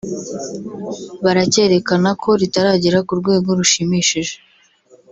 bakerekana ko ritaragera ku rwego rushimishije